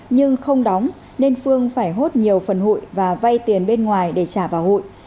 nhưng không đóng nên phương phải hút nhiều phần hụi và vây tiền bên ngoài để trả vào hụi